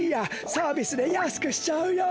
サービスでやすくしちゃうよ。